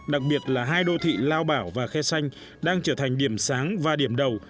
đặc biệt là hai đô thị lao bảo và khe xanh đang trở thành điểm sáng và điểm đầu